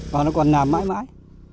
và nó còn nằm mãi mãi